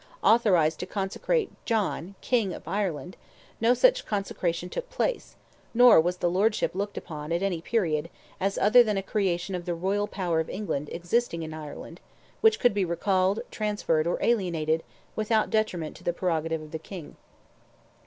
authorized to consecrate John, King of Ireland, no such consecration took place, nor was the lordship looked upon, at any period, as other than a creation of the royal power of England existing in Ireland, which could be recalled, transferred, or alienated, without detriment to the prerogative of the King.